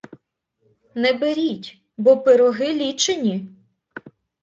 Не беріть, бо пироги лічені!